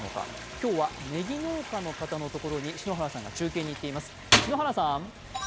今日はねぎ農家の方のところに篠原さんが中継に行っています。